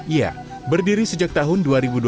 ya berdiri sejak tahun dua ribu dua belas